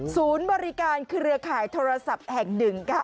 ศูนย์บริการเครือข่ายโทรศัพท์แห่งหนึ่งค่ะ